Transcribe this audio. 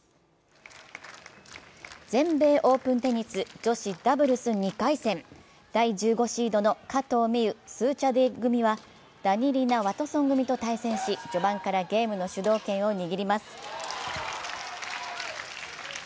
全米オープンテニス女子ダブルス２回戦、第１５シードの加藤未唯・スーチャディ組はダニリナ・ワトソン組と対戦し序盤からゲームの主導権を握ります。